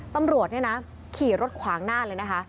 ตำรวจขี่รถขวางหน้าเลยนะคะ